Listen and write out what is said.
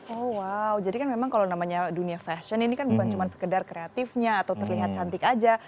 oh wow jadi kan memang kalau namanya dunia fashion ini kan bukan cuma sekedar kreatifnya atau terlihat cantik aja